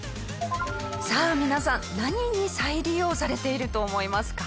さあ皆さん何に再利用されていると思いますか？